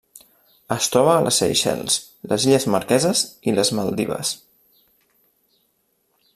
Es troba a les Seychelles, les Illes Marqueses i les Maldives.